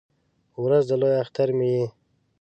ورځ د لوی اختر مې یې